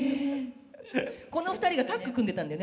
この２人がタッグ組んでたんだよね